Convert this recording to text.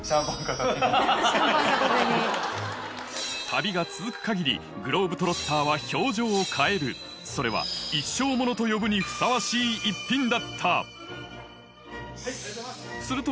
旅が続く限りグローブ・トロッターは表情を変えるそれは「一生モノ」と呼ぶにふさわしい逸品だったすると